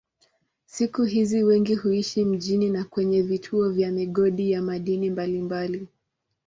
Siku hizi wengi huishi mjini na kwenye vituo vya migodi ya madini mbalimbali.